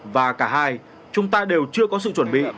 và cả hai chúng ta đều chưa có sự chuẩn bị